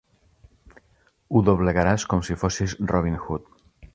Ho doblegaràs com si fossis Robin Hood.